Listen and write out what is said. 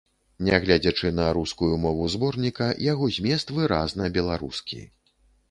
Нягледзячы на рускую мову зборніка, яго змест выразна беларускі.